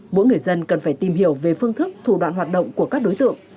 mỗi người dân cần phải tìm hiểu về phương thức thủ đoạn hoạt động của các đối tượng